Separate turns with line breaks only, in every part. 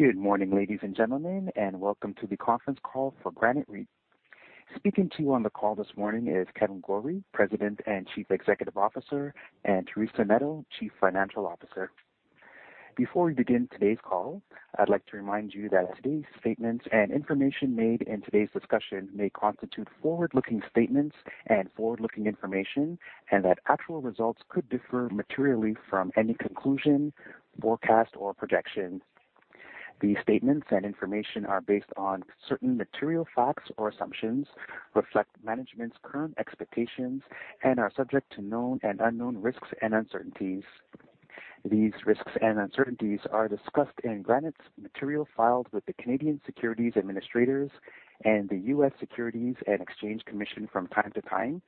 Good morning, ladies and gentlemen, welcome to the conference call for Granite REIT. Speaking to you on the call this morning is Kevan Gorrie, President and Chief Executive Officer, and Teresa Neto, Chief Financial Officer. Before we begin today's call, I'd like to remind you that today's statements and information made in today's discussion may constitute forward-looking statements and forward-looking information, and that actual results could differ materially from any conclusion, forecast, or projections. These statements and information are based on certain material facts or assumptions, reflect management's current expectations, and are subject to known and unknown risks and uncertainties. These risks and uncertainties are discussed in Granite's material filed with the Canadian Securities Administrators and the US Securities and Exchange Commission from time to time,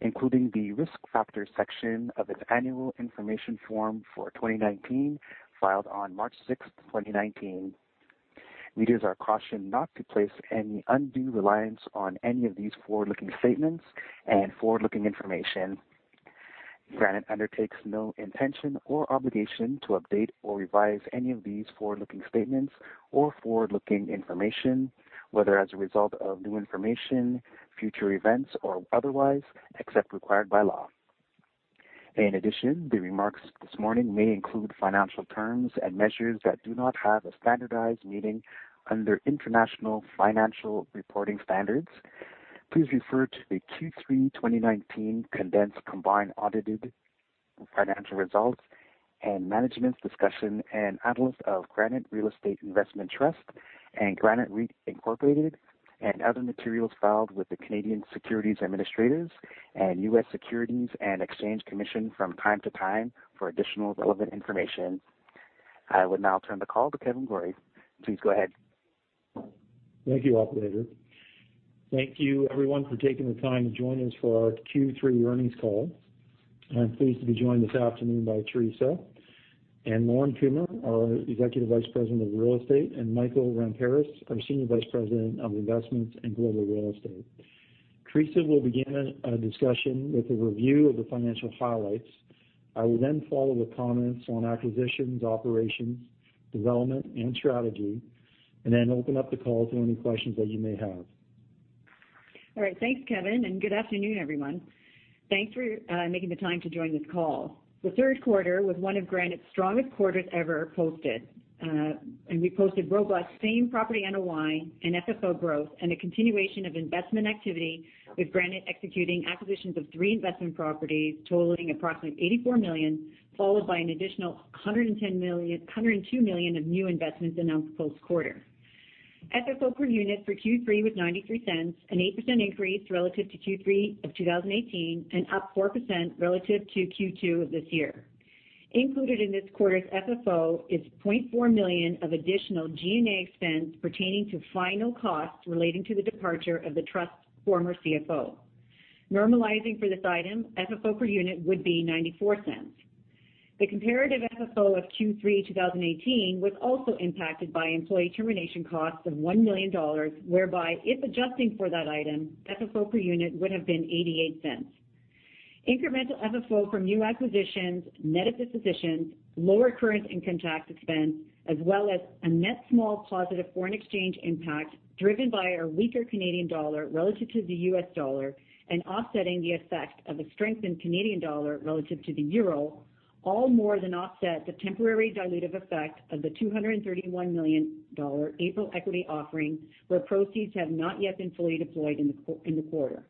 including the Risk Factors section of its Annual Information Form for 2019, filed on March 6th, 2019. Leaders are cautioned not to place any undue reliance on any of these forward-looking statements and forward-looking information. Granite undertakes no intention or obligation to update or revise any of these forward-looking statements or forward-looking information, whether as a result of new information, future events, or otherwise, except required by law. In addition, the remarks this morning may include financial terms and measures that do not have a standardized meaning under International Financial Reporting Standards. Please refer to the Q3 2019 condensed combined audited financial results and management's discussion and analysis of Granite Real Estate Investment Trust and Granite REIT Inc. and other materials filed with the Canadian Securities Administrators and U.S. Securities and Exchange Commission from time to time for additional relevant information. I would now turn the call to Kevan Gorrie. Please go ahead.
Thank you, operator. Thank you everyone for taking the time to join us for our Q3 earnings call. I'm pleased to be joined this afternoon by Teresa and Lorne Kumer, our Executive Vice President of Real Estate, and Michael Ramparas, our Senior Vice President of Investments and Global Real Estate. Teresa will begin a discussion with a review of the financial highlights. I will then follow with comments on acquisitions, operations, development, and strategy, and then open up the call to any questions that you may have.
All right. Thanks, Kevan, Good afternoon, everyone. Thanks for making the time to join this call. The third quarter was one of Granite's strongest quarters ever posted. We posted robust same property NOI and FFO growth and a continuation of investment activity with Granite executing acquisitions of three investment properties totaling approximately 84 million, followed by an additional 102 million of new investments announced post-quarter. FFO per unit for Q3 was 0.93, an 8% increase relative to Q3 of 2018 and up 4% relative to Q2 of this year. Included in this quarter's FFO is 0.4 million of additional G&A expense pertaining to final costs relating to the departure of the trust's former CFO. Normalizing for this item, FFO per unit would be 0.94. The comparative FFO of Q3 2018 was also impacted by employee termination costs of 1 million dollars, whereby if adjusting for that item, FFO per unit would have been 0.88. Incremental FFO from new acquisitions, net of dispositions, lower current income tax expense, as well as a net small positive foreign exchange impact driven by a weaker Canadian dollar relative to the U.S. dollar and offsetting the effect of a strengthened Canadian dollar relative to the euro, all more than offset the temporary dilutive effect of the 231 million dollar April equity offering, where proceeds have not yet been fully deployed in the quarter.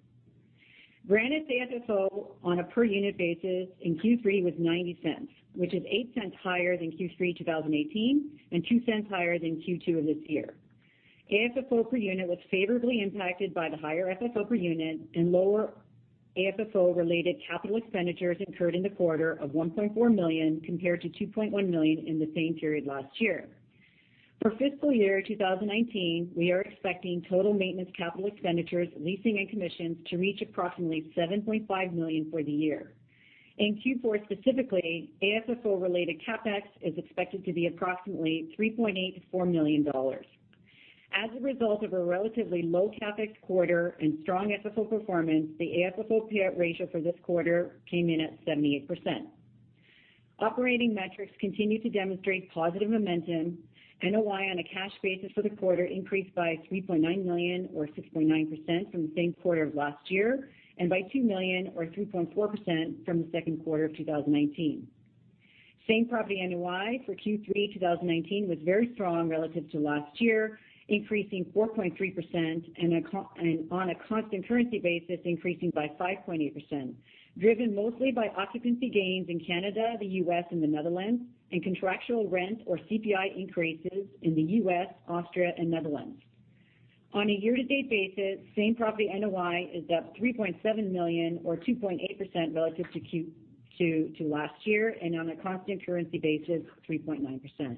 Granite's AFFO on a per unit basis in Q3 was 0.90, which is 0.08 higher than Q3 2018 and 0.02 higher than Q2 of this year. AFFO per unit was favorably impacted by the higher FFO per unit and lower AFFO-related capital expenditures incurred in the quarter of 1.4 million compared to 2.1 million in the same period last year. For fiscal year 2019, we are expecting total maintenance capital expenditures, leasing, and commissions to reach approximately 7.5 million for the year. In Q4 specifically, AFFO-related CapEx is expected to be approximately 3.8 million-4 million dollars. As a result of a relatively low CapEx quarter and strong FFO performance, the AFFO pay-out ratio for this quarter came in at 78%. Operating metrics continue to demonstrate positive momentum. NOI on a cash basis for the quarter increased by 3.9 million or 6.9% from the same quarter of last year and by 2 million or 3.4% from the second quarter of 2019. Same property NOI for Q3 2019 was very strong relative to last year, increasing 4.3%, and on a constant currency basis, increasing by 5.8%, driven mostly by occupancy gains in Canada, the U.S., and the Netherlands, and contractual rent or CPI increases in the U.S., Austria, and Netherlands. On a year-to-date basis, same property NOI is up 3.7 million or 2.8% relative to last year, and on a constant currency basis, 3.9%.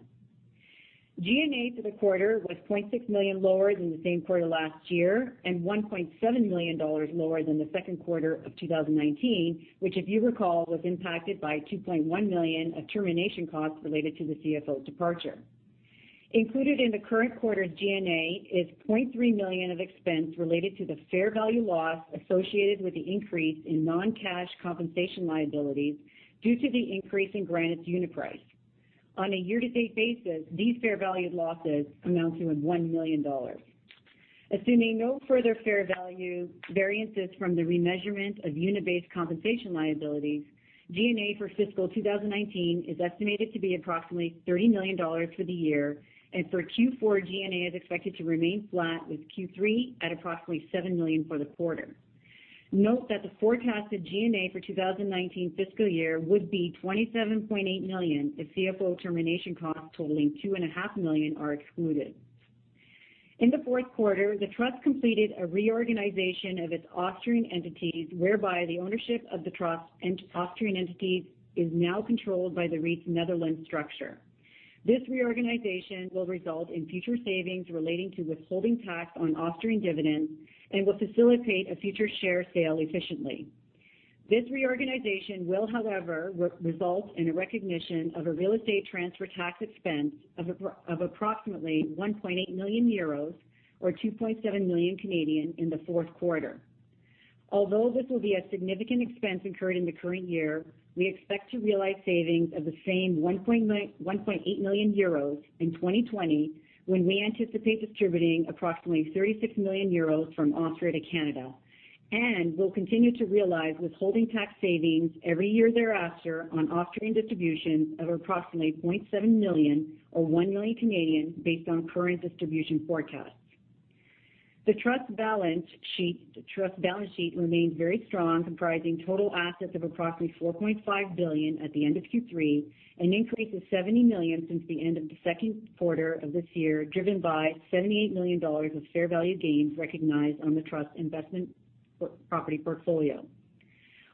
G&A for the quarter was 0.6 million lower than the same quarter last year and 1.7 million dollars lower than the second quarter of 2019, which, if you recall, was impacted by 2.1 million of termination costs related to the CFO's departure. Included in the current quarter's G&A is 0.3 million of expense related to the fair value loss associated with the increase in non-cash compensation liabilities due to the increase in Granite's unit price. On a year-to-date basis, these fair values losses amounted to 1 million dollars. Assuming no further fair value variances from the remeasurement of unit-based compensation liabilities, G&A for fiscal 2019 is estimated to be approximately 30 million dollars for the year, and for Q4, G&A is expected to remain flat with Q3 at approximately 7 million for the quarter. Note that the forecasted G&A for 2019 fiscal year would be 27.8 million if CFO termination costs totaling two and a half million are excluded. In the fourth quarter, the Trust completed a reorganization of its Austrian entities, whereby the ownership of the Trust's Austrian entities is now controlled by the REIT's Netherlands structure. This reorganization will result in future savings relating to withholding tax on Austrian dividends and will facilitate a future share sale efficiently. This reorganization will, however, result in a recognition of a real estate transfer tax expense of approximately 1.8 million euros, or 2.7 million, in the fourth quarter. Although this will be a significant expense incurred in the current year, we expect to realize savings of the same 1.8 million euros in 2020, when we anticipate distributing approximately 36 million euros from Austria to Canada. We'll continue to realize withholding tax savings every year thereafter on Austrian distributions of approximately 0.7 million, or 1 million, based on current distribution forecasts. The trust balance sheet remains very strong, comprising total assets of approximately 4.5 billion at the end of Q3, an increase of 70 million since the end of the second quarter of this year, driven by 78 million dollars of fair value gains recognized on the trust investment property portfolio.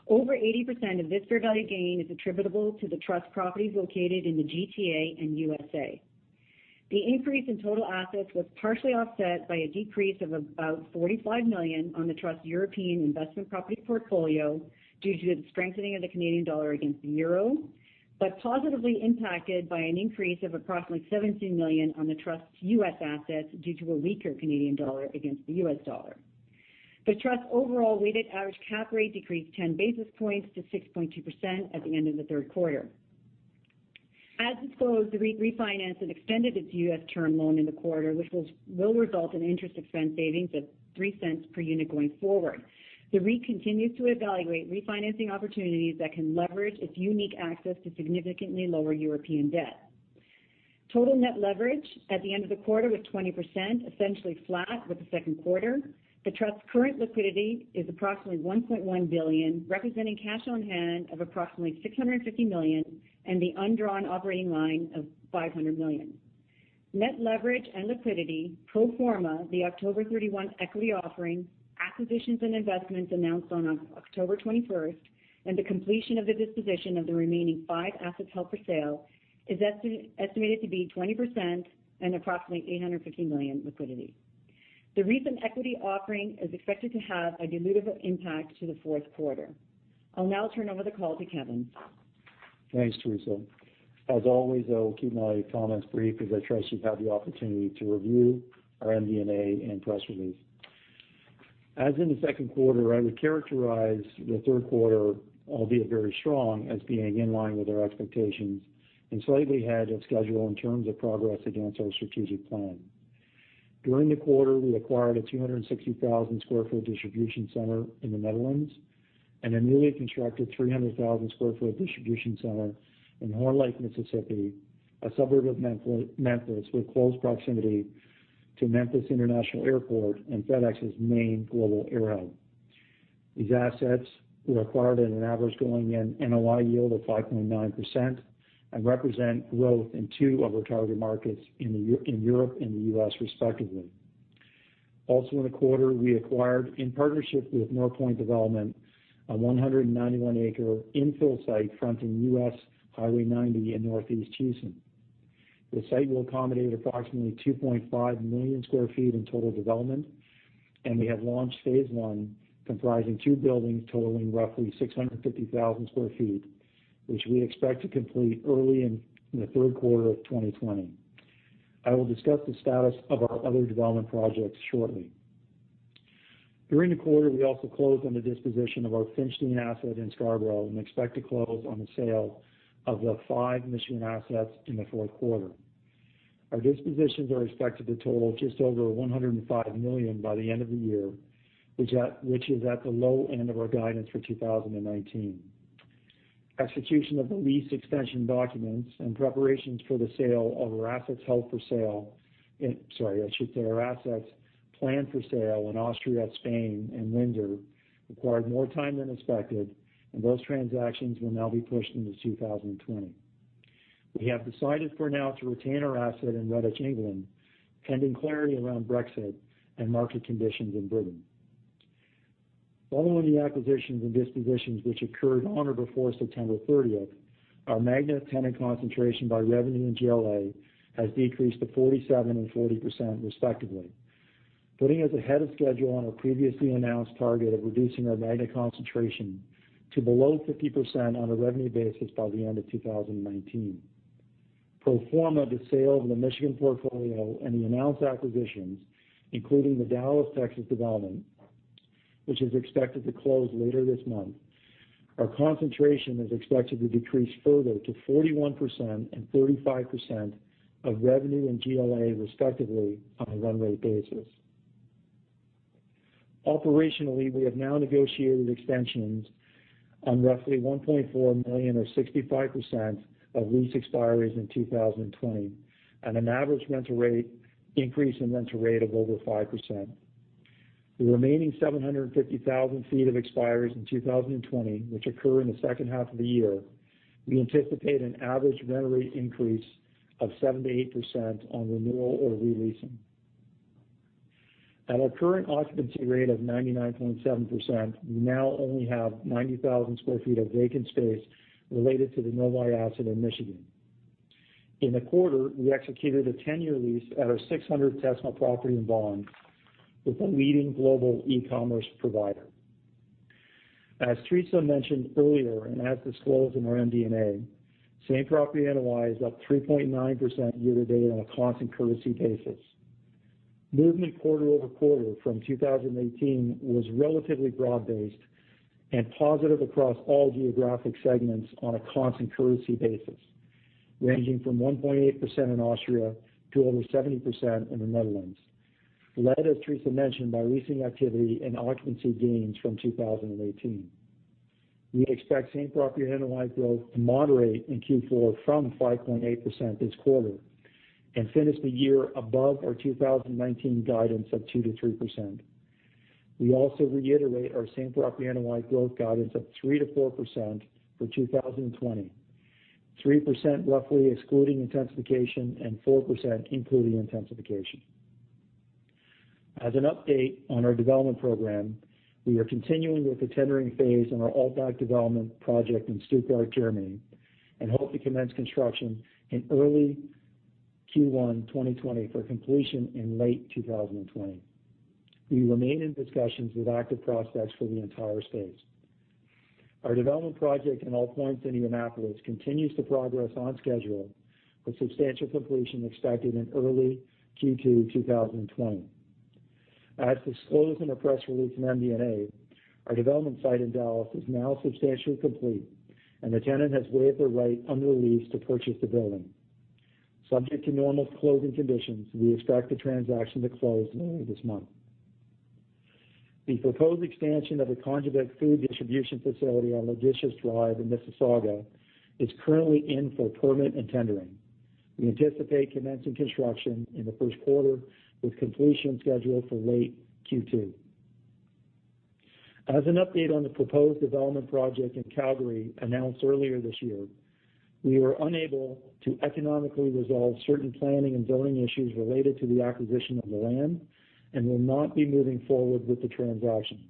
Over 80% of this fair value gain is attributable to the trust properties located in the GTA and USA. The increase in total assets was partially offset by a decrease of about 45 million on the trust European investment property portfolio due to the strengthening of the Canadian dollar against the euro. Positively impacted by an increase of approximately 17 million on the trust's U.S. assets due to a weaker Canadian dollar against the U.S. dollar. The trust's overall weighted average cap rate decreased 10 basis points to 6.2% at the end of the third quarter. As disclosed, the REIT refinanced and extended its U.S. term loan in the quarter, which will result in interest expense savings of 0.03 per unit going forward. The REIT continues to evaluate refinancing opportunities that can leverage its unique access to significantly lower European debt. Total net leverage at the end of the quarter was 20%, essentially flat with the second quarter. The trust's current liquidity is approximately 1.1 billion, representing cash on hand of approximately 650 million and the undrawn operating line of 500 million. Net leverage and liquidity, pro forma the October 31 equity offering, acquisitions and investments announced on October 21st, and the completion of the disposition of the remaining five assets held for sale, is estimated to be 20% and approximately 850 million liquidity. The recent equity offering is expected to have a dilutive impact to the fourth quarter. I'll now turn over the call to Kevan.
Thanks, Teresa. As always, I will keep my comments brief as I trust you've had the opportunity to review our MD&A and press release. As in the second quarter, I would characterize the third quarter, albeit very strong, as being in line with our expectations and slightly ahead of schedule in terms of progress against our strategic plan. During the quarter, I acquired a 260,000 sq ft distribution center in the Netherlands and a newly constructed 300,000 sq ft distribution center in Horn Lake, Mississippi, a suburb of Memphis with close proximity to Memphis International Airport and FedEx's main global air hub. These assets were acquired at an average going-in NOI yield of 5.9% and represent growth in two of our target markets in Europe and the U.S. respectively. Also in the quarter, we acquired, in partnership with NorthPoint Development, a 191-acre infill site fronting U.S. Highway 90 in northeast Houston. The site will accommodate approximately 2.5 million square feet in total development. We have launched phase one, comprising two buildings totaling roughly 650,000 square feet, which we expect to complete early in the third quarter of 2020. I will discuss the status of our other development projects shortly. During the quarter, we also closed on the disposition of our Finch Dean asset in Scarborough and expect to close on the sale of the five Michigan assets in the fourth quarter. Our dispositions are expected to total just over 105 million by the end of the year, which is at the low end of our guidance for 2019. Execution of the lease extension documents and preparations for the sale of our assets held for sale in Sorry, I should say our assets planned for sale in Austria, Spain, and Windsor required more time than expected, and those transactions will now be pushed into 2020. We have decided for now to retain our asset in Redditch, England, pending clarity around Brexit and market conditions in Britain. Following the acquisitions and dispositions which occurred on or before September 30th, our Magna tenant concentration by revenue and GLA has decreased to 47% and 40%, respectively, putting us ahead of schedule on our previously announced target of reducing our Magna concentration to below 50% on a revenue basis by the end of 2019. Pro forma the sale of the Michigan portfolio and the announced acquisitions, including the Dallas, Texas development which is expected to close later this month. Our concentration is expected to decrease further to 41% and 35% of revenue and GLA respectively on a run rate basis. Operationally, we have now negotiated extensions on roughly 1.4 million or 65% of lease expiries in 2020, at an average rental rate increase of over 5%. The remaining 750,000 feet of expiries in 2020, which occur in the second half of the year, we anticipate an average rent rate increase of 7%-8% on renewal or re-leasing. At our current occupancy rate of 99.7%, we now only have 90,000 sq ft of vacant space related to the Novi asset in Michigan. In the quarter, we executed a 10-year lease at our 600 Tesma Way property in Bolton with a leading global e-commerce provider. As Teresa mentioned earlier, and as disclosed in our MD&A, same property NOI is up 3.9% year-to-date on a constant currency basis. Movement quarter-over-quarter from 2018 was relatively broad-based and positive across all geographic segments on a constant currency basis, ranging from 1.8% in Austria to over 70% in the Netherlands, led, as Teresa mentioned, by leasing activity and occupancy gains from 2018. We expect same property NOI growth to moderate in Q4 from 5.8% this quarter and finish the year above our 2019 guidance of 2%-3%. We also reiterate our same property NOI growth guidance of 3%-4% for 2020, 3% roughly excluding intensification and 4% including intensification. As an update on our development program, we are continuing with the tendering phase on our Altbach development project in Stuttgart, Germany, and hope to commence construction in early Q1 2020 for completion in late 2020. We remain in discussions with active prospects for the entire space. Our development project in AllPoints in Indianapolis continues to progress on schedule, with substantial completion expected in early Q2 2020. As disclosed in a press release in MD&A, our development site in Dallas is now substantially complete, and the tenant has waived the right under the lease to purchase the building. Subject to normal closing conditions, we expect the transaction to close later this month. The proposed expansion of the Congebec food distribution facility on Logistics Drive in Mississauga is currently in for permit and tendering. We anticipate commencing construction in the first quarter, with completion scheduled for late Q2. As an update on the proposed development project in Calgary announced earlier this year, we were unable to economically resolve certain planning and zoning issues related to the acquisition of the land and will not be moving forward with the transaction.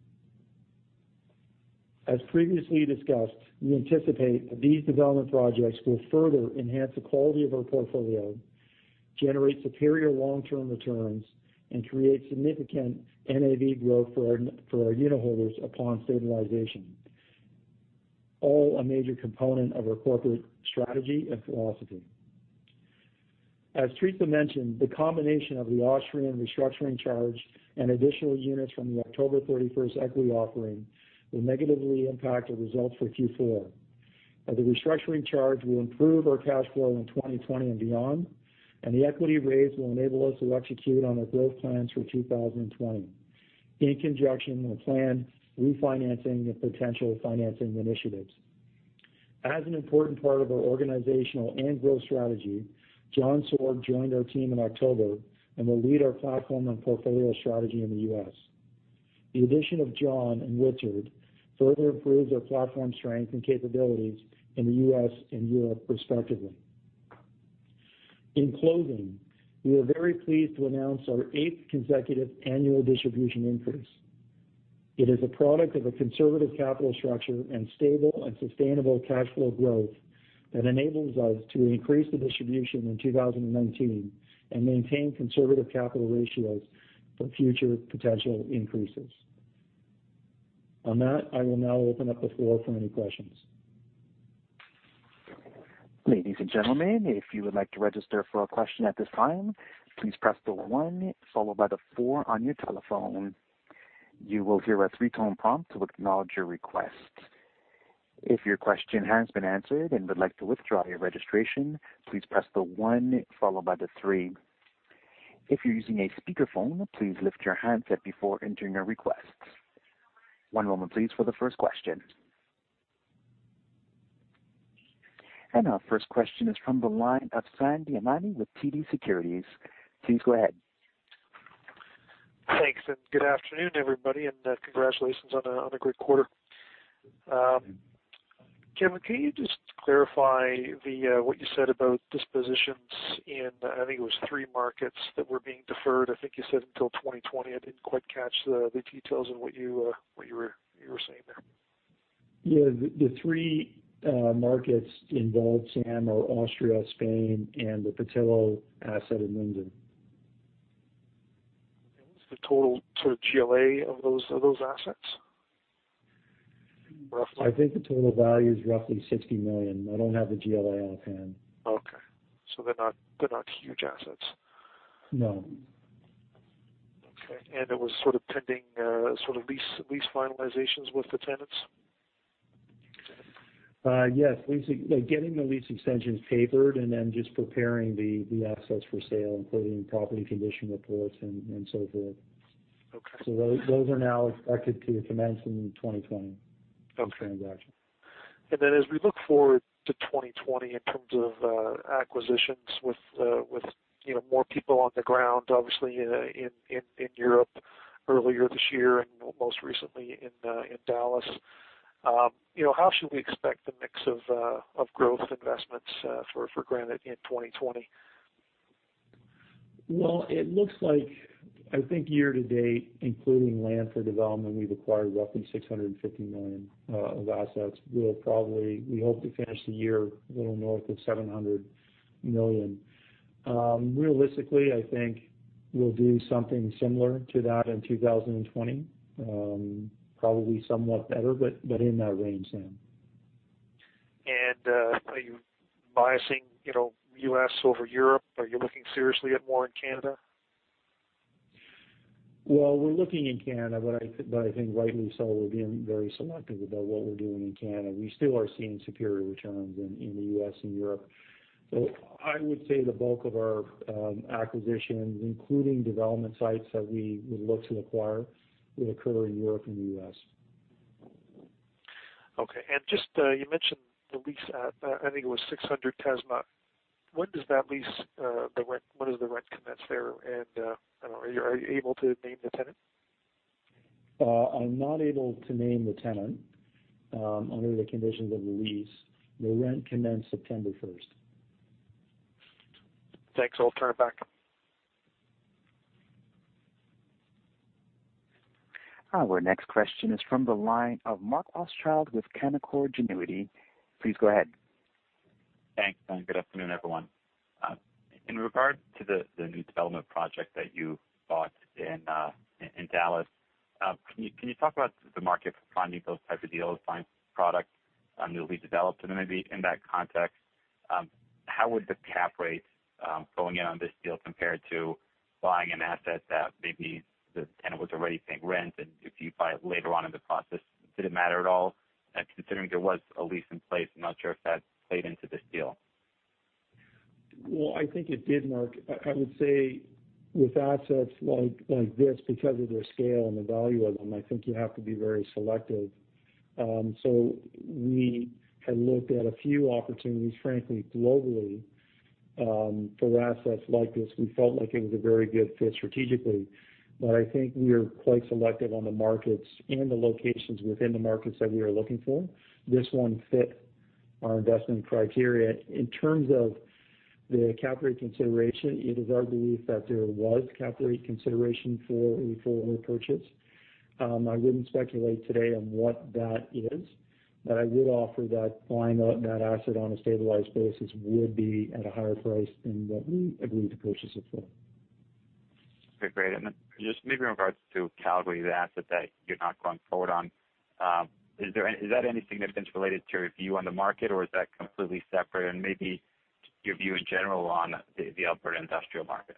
As previously discussed, we anticipate that these development projects will further enhance the quality of our portfolio, generate superior long-term returns, and create significant NAV growth for our unitholders upon stabilization, all a major component of our corporate strategy and philosophy. As Teresa mentioned, the combination of the Austrian restructuring charge and additional units from the October 31st equity offering will negatively impact our results for Q4. The restructuring charge will improve our cash flow in 2020 and beyond. The equity raise will enable us to execute on our growth plans for 2020 in conjunction with planned refinancing and potential financing initiatives. As an important part of our organizational and growth strategy, Jon Sorg joined our team in October and will lead our platform and portfolio strategy in the U.S. The addition of Jon and Richard further improves our platform strength and capabilities in the U.S. and Europe respectively. In closing, we are very pleased to announce our eighth consecutive annual distribution increase. It is a product of a conservative capital structure and stable and sustainable cash flow growth that enables us to increase the distribution in 2019 and maintain conservative capital ratios for future potential increases. On that, I will now open up the floor for any questions.
Ladies and gentlemen, if you would like to register for a question at this time, please press one followed by four on your telephone. You will hear a 3-tone prompt to acknowledge your request. If your question has been answered and would like to withdraw your registration, please press one followed by three. If you're using a speakerphone, please lift your handset before entering your request. One moment please for the first question. Our first question is from the line of Sam Damiani with TD Securities. Please go ahead.
Thanks, good afternoon, everybody, and congratulations on a great quarter. Kevan, can you just clarify what you said about dispositions in, I think it was 3 markets that were being deferred, I think you said until 2020. I didn't quite catch the details on what you were saying there.
The three markets involved, Sam, are Austria, Spain, and the Potillo asset in London.
What's the total GLA of those assets?
I think the total value is roughly 60 million. I don't have the GLA on hand.
Okay. They're not huge assets.
No.
Okay, it was sort of pending lease finalizations with the tenants?
Yes. Getting the lease extensions papered and then just preparing the assets for sale, including property condition reports and so forth.
Okay.
Those are now expected to commence in 2020.
Okay.
Those transactions.
As we look forward to 2020 in terms of acquisitions with more people on the ground, obviously, in Europe earlier this year and most recently in Dallas. How should we expect the mix of growth investments for Granite in 2020?
Well, it looks like, I think year to date, including land for development, we've acquired roughly 650 million of assets. We hope to finish the year a little north of 700 million. Realistically, I think we'll do something similar to that in 2020. Probably somewhat better, but in that range, Sam.
Are you biasing U.S. over Europe? Are you looking seriously at more in Canada?
Well, we're looking in Canada, but I think rightly so, we're being very selective about what we're doing in Canada. We still are seeing superior returns in the U.S. and Europe. I would say the bulk of our acquisitions, including development sites that we would look to acquire, would occur in Europe and the U.S.
Okay. Just, you mentioned the lease at, I think it was 600 Tesma. When does the rent commence there? I don't know, are you able to name the tenant?
I'm not able to name the tenant under the conditions of the lease. The rent commenced September 1st.
Thanks. I'll turn it back.
Our next question is from the line of Mark Rothschild with Canaccord Genuity. Please go ahead.
Thanks, and good afternoon, everyone. In regard to the new development project that you bought in Dallas, can you talk about the market for funding those type of deals, buying product newly developed? Then maybe in that context, how would the cap rates going in on this deal compare to buying an asset that maybe the tenant was already paying rent, and if you buy it later on in the process, did it matter at all? Considering there was a lease in place, I'm not sure if that played into this deal.
I think it did, Mark. I would say with assets like this, because of their scale and the value of them, I think you have to be very selective. We had looked at a few opportunities, frankly, globally, for assets like this. We felt like it was a very good fit strategically, but I think we are quite selective on the markets and the locations within the markets that we are looking for. This one fit our investment criteria. In terms of the cap rate consideration, it is our belief that there was cap rate consideration for a full purchase. I wouldn't speculate today on what that is, but I would offer that buying that asset on a stabilized basis would be at a higher price than what we agreed to purchase it for.
Okay, great. Then just maybe in regards to Calgary, the asset that you're not going forward on, is that anything that's related to your view on the market or is that completely separate? Maybe your view in general on the Alberta industrial market?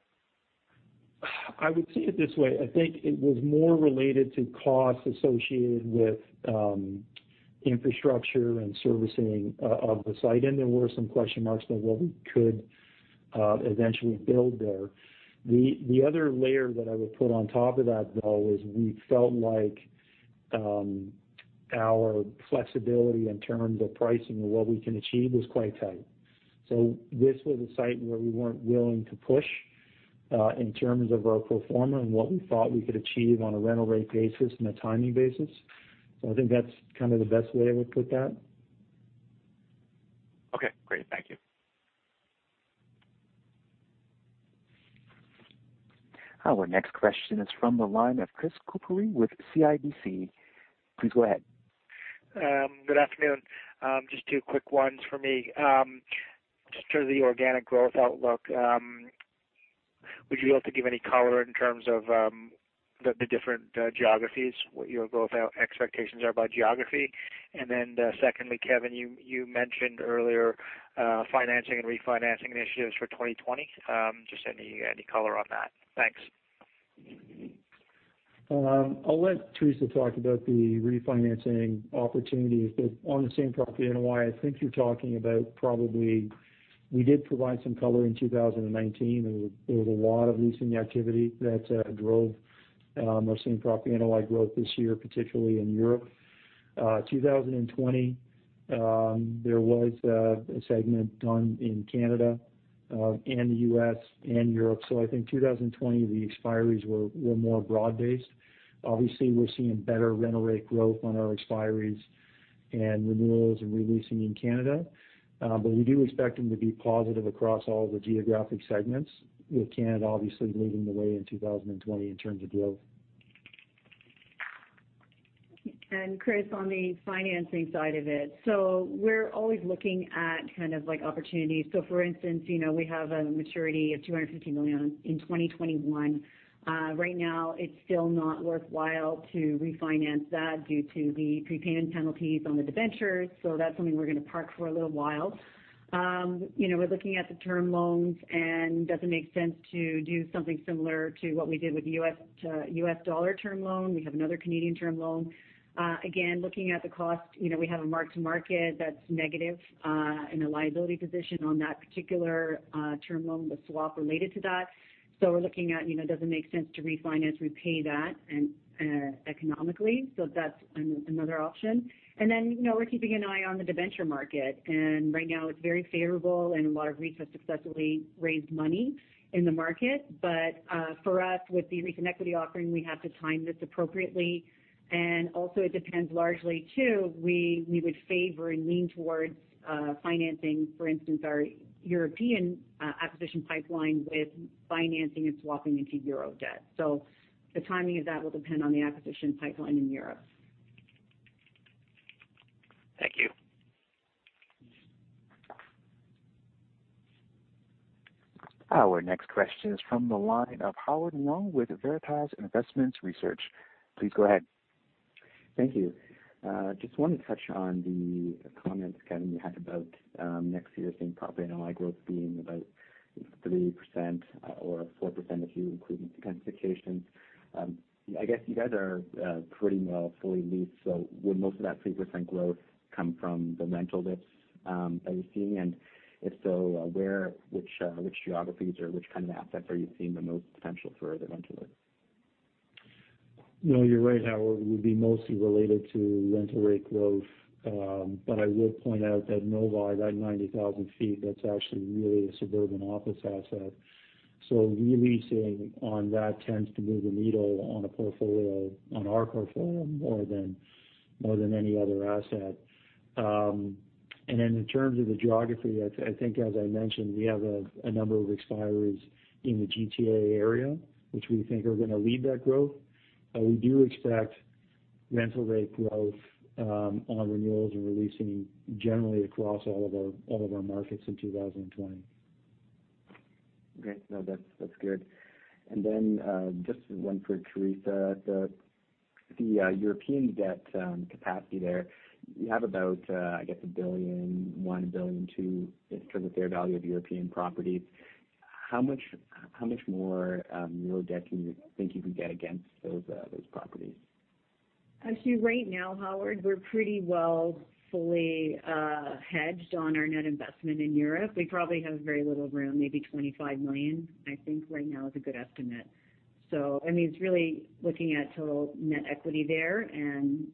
I would see it this way. I think it was more related to costs associated with infrastructure and servicing of the site, and there were some question marks about what we could eventually build there. The other layer that I would put on top of that, though, is we felt like our flexibility in terms of pricing and what we can achieve was quite tight. This was a site where we weren't willing to push, in terms of our pro forma and what we thought we could achieve on a rental rate basis and a timing basis. I think that's kind of the best way I would put that.
Okay, great. Thank you.
Our next question is from the line of Chris Couprie with CIBC. Please go ahead.
Good afternoon. Just two quick ones for me. Just for the organic growth outlook, would you be able to give any color in terms of the different geographies, what your growth expectations are by geography? Secondly, Kevan, you mentioned earlier, financing and refinancing initiatives for 2020. Just any color on that? Thanks.
I'll let Teresa talk about the refinancing opportunities. On the same property NOI, I think you're talking about We did provide some color in 2019. There was a lot of leasing activity that drove our same-property NOI growth this year, particularly in Europe. 2020, there was a segment done in Canada and the U.S. and Europe. I think 2020, the expiries were more broad-based. Obviously, we're seeing better rental rate growth on our expiries and renewals and re-leasing in Canada. We do expect them to be positive across all the geographic segments, with Canada obviously leading the way in 2020 in terms of growth.
Chris, on the financing side of it. We're always looking at opportunities. For instance, we have a maturity of 250 million in 2021. Right now, it's still not worthwhile to refinance that due to the prepayment penalties on the debentures. That's something we're going to park for a little while. We're looking at the term loans, and doesn't make sense to do something similar to what we did with the US dollar term loan. We have another Canadian term loan. Again, looking at the cost, we have a mark to market that's negative in a liability position on that particular term loan, the swap related to that. We're looking at, does it make sense to refinance, repay that economically? That's another option. We're keeping an eye on the debenture market, and right now it's very favorable and a lot of REITs have successfully raised money in the market. For us, with the recent equity offering, we have to time this appropriately. It depends largely, too, we would favor and lean towards financing, for instance, our European acquisition pipeline with financing and swapping into EUR debt. The timing of that will depend on the acquisition pipeline in Europe.
Thank you.
Our next question is from the line of Howard Leung with Veritas Investment Research. Please go ahead.
Thank you. Just wanted to touch on the comment, Kevan, you had about next year seeing property NOI growth being about 3% or 4% if you include intensifications. I guess you guys are pretty well fully leased. Would most of that 3% growth come from the rental lifts that you're seeing? If so, where, which geographies or which kind of assets are you seeing the most potential for the rental lifts?
You're right, Howard. It would be mostly related to rental rate growth. I would point out that Novi, that 90,000 feet, that's actually really a suburban office asset. Re-leasing on that tends to move the needle on a portfolio, on our portfolio, more than any other asset. In terms of the geography, I think as I mentioned, we have a number of expiries in the GTA area, which we think are going to lead that growth. We do expect rental rate growth on renewals and re-leasing generally across all of our markets in 2020.
Great. No, that's good. Just one for Teresa. The European debt capacity there. You have about, I guess a billion, 1 billion, 2 billion in terms of fair value of European properties. How much more real debt can you think you can get against those properties?
I'd say right now, Howard, we're pretty well fully hedged on our net investment in Europe. We probably have very little room, maybe 25 million, I think right now is a good estimate. It's really looking at total net equity there, and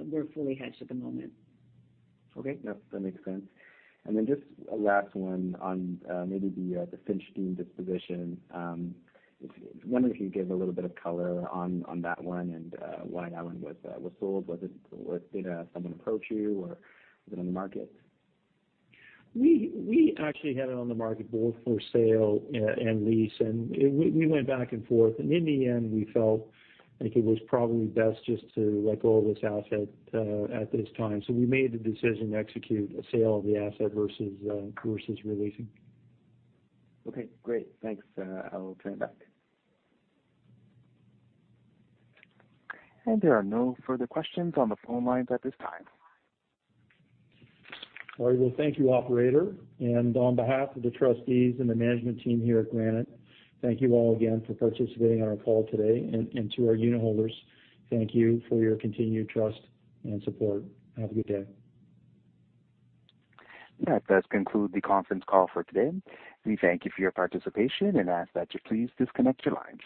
we're fully hedged at the moment.
Okay. Yep, that makes sense. Just a last one on maybe the Finch Dean disposition. Just wondering if you could give a little bit of color on that one and why that one was sold. Did someone approach you or was it on the market?
We actually had it on the market both for sale and lease. We went back and forth. In the end we felt like it was probably best just to let go of this asset at this time. We made the decision to execute a sale of the asset versus re-leasing.
Okay, great. Thanks. I'll turn it back.
There are no further questions on the phone lines at this time.
All right. Well, thank you, operator. On behalf of the trustees and the management team here at Granite, thank you all again for participating on our call today. To our unitholders, thank you for your continued trust and support. Have a good day.
That does conclude the conference call for today. We thank you for your participation and ask that you please disconnect your lines.